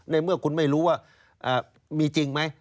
ในเมื่อคุณไม่รู้ว่ามีจริงไหม